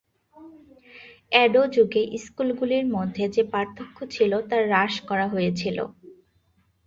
Ado যুগে স্কুলগুলির মধ্যে যে পার্থক্য ছিল তা হ্রাস করা হয়েছিল।